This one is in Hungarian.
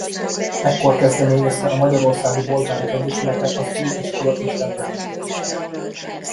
Ekkor kezdeményezte a Magyarországi Bolgárok Egyesülete az új iskola és templom építése.